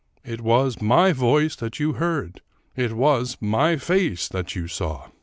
It was my voice that you heard ! It was my face that you saw !